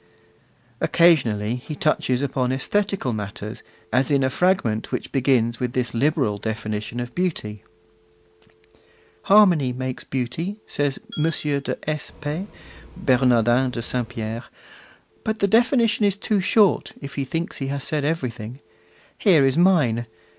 Occasionally he touches upon aesthetical matters, as in a fragment which begins with this liberal definition of beauty: Harmony makes beauty, says M. de S. P. (Bernardin de St. Pierre), but the definition is too short, if he thinks he has said everything. Here is mine.